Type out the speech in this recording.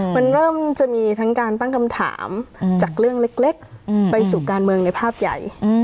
มันเริ่มจะมีทั้งการตั้งคำถามจากเรื่องเล็กไปสู่การเมืองในภาพใหญ่